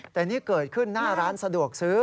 แต่นี่เกิดขึ้นหน้าร้านสะดวกซื้อ